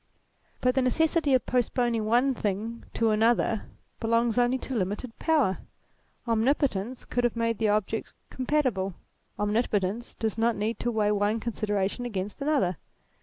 But the necessity of postponing one thing to another belongs only to limited power. Omnipotence could have made the objects compatible. Omnipotence does not need to weigh one considera tion against another.